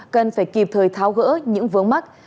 cần phải kịp thời tháo gỡ những vướng mắc